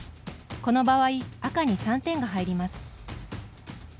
この場合、赤に３点が入ります。